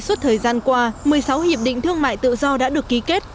suốt thời gian qua một mươi sáu hiệp định thương mại tự do đã được ký kết